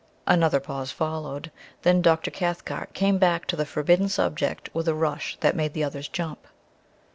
Another pause followed. Then Dr. Cathcart came back to the forbidden subject with a rush that made the others jump.